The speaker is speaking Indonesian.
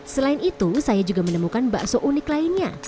selain itu saya juga menemukan bakso unik lainnya